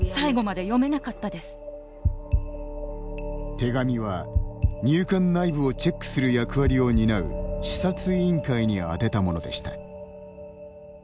手紙は入管内部をチェックする役割を担う視察委員会に宛てたものでした。